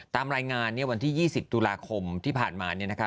ตามรายงานเนี่ยวันที่๒๐ตุลาคมที่ผ่านมาเนี่ยนะคะ